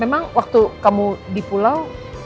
memang waktu kamu di pulau